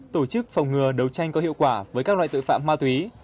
tổ chức phòng ngừa đấu tranh có hiệu quả với các loại tội phạm ma túy